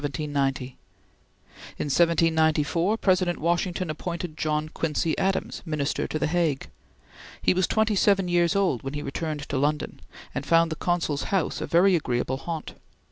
In 1794 President Washington appointed John Quincy Adams Minister to The Hague. He was twenty seven years old when he returned to London, and found the Consul's house a very agreeable haunt.